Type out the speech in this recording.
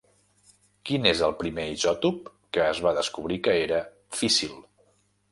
Quin és el primer isòtop que es va descobrir que era físsil?